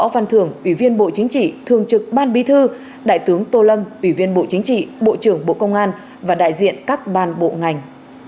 phương trực ban bí thư đại tướng tô lâm ủy viên bộ chính trị bộ trưởng bộ công an và đại diện các ban bộ ngành